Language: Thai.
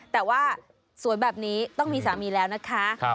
แต่ว่าสวยแบบนี้ต้องมีสามีแล้วนะคะ